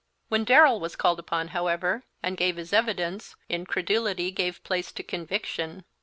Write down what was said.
When Darrell was called upon, however, and gave his evidence, incredulity gave place to conviction.